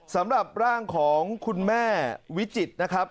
สำหรับร่างของคุณแม่วิจิตรนะครับ